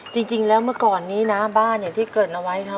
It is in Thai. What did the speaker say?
จริงแล้วเมื่อก่อนนี้นะบ้านอย่างที่เกริ่นเอาไว้ครับ